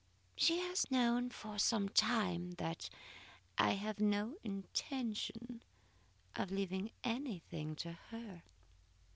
She has known for some time that I have no intention of leaving anything to her.